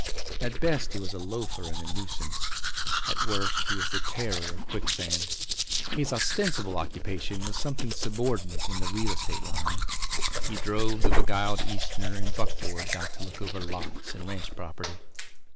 At best he was a loafer and a nuisance; at worst he was the Terror of Quicksand. His ostensible occupation was something subordinate in the real estate line; he drove the beguiled Easterner in buckboards out to look over lots and ranch property.